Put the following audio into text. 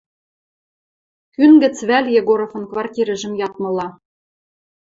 Кӱн гӹц вӓл Егоровын квартирӹжӹм ядмыла?